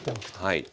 はい。